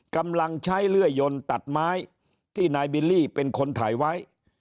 กำลังใช้เลื่อยยนตัดไม้ที่นายบิลลี่เป็นคนถ่ายไว้